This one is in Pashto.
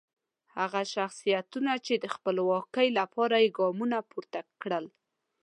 هغه شخصیتونه چې د خپلواکۍ لپاره یې ګامونه پورته کړل.